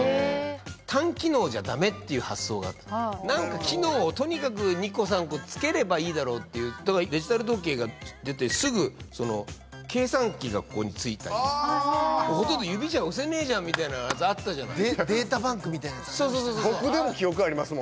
何か機能をとにかく２個３個付ければいいだろうってデジタル時計が出てすぐ計算機がここに付いたりああほとんど指じゃ押せねえじゃんみたいなやつあったデータバンクみたいなやつありました